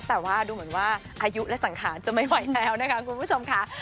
แต่ว่าดูเหมือนว่าอายุและสังขารจะไม่ไหวแล้วนะคะคุณผู้ชมค่ะ